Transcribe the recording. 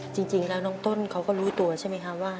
จริงแล้วน้องต้นเขาก็รู้ตัวใช่ไหมคะว่า